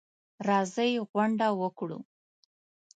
راځئ غونډه وکړو.